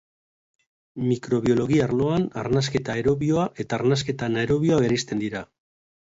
Mikrobiologia arloan arnasketa aerobioa eta arnasketa anaerobioa bereizten dira.